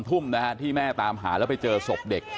ทุ่มนะฮะที่แม่ตามหาแล้วไปเจอศพเด็ก